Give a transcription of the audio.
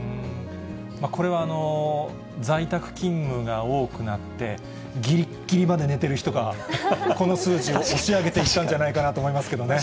これは在宅勤務が多くなって、ぎりぎりっまで寝てる人が、この数字を押し上げてきたんじゃないかなと思いますけどね。